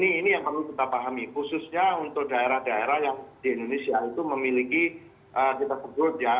ini yang perlu kita pahami khususnya untuk daerah daerah yang di indonesia itu memiliki kita sebut ya